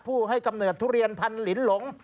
ผู้ให้กำเนิดทุเรียนพันลินหลง